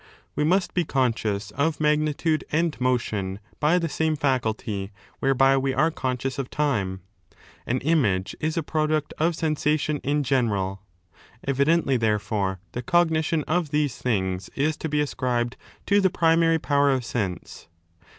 We must be conscious of magnitude and motion * by the same faculty whereby we are conscious of time. An 7 image is a product of sensation in general. Evidently, therefore, the cognition of these things is to be ascribed to the primary power of sense.